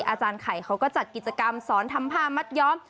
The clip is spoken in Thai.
อาจารย์ไข่เขาก็จัดกิจกรรมสอนทำผ้ามัดย้อม